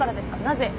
なぜ？